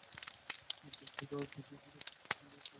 উজ্জ্বল চোখ আগুনের শিখার মত জ্বলন্ত চোখ অন্ধকারেও যেন আলো ছড়াচ্ছে।